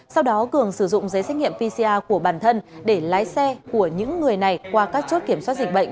sau đó cường sử dụng giấy xét nghiệm pcr của bản thân để lái xe của những người này qua các chốt kiểm soát dịch bệnh